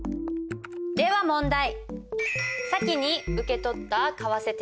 では問題。